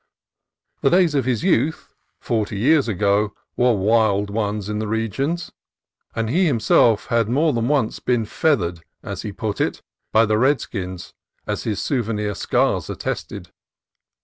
The days of his youth, forty years ago, were wild ones in these regions, and he himself had more than once been "feathered" (as he put it) by the redskins, as his souvenir scars attested.